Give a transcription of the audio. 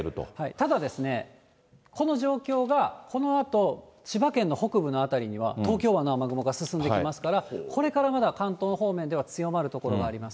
ただ、この状況がこのあと千葉県の北部の辺りには、東京湾の雨雲が進んできますから、これからまだ、関東方面では強まる所があります。